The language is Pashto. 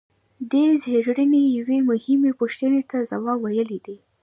دې څېړنې یوې مهمې پوښتنې ته ځواب ویلی دی.